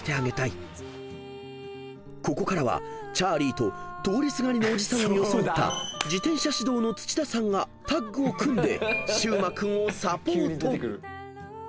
［ここからはチャーリーと通りすがりのおじさんを装った自転車指導の土田さんがタッグを組んで柊真君をサポート］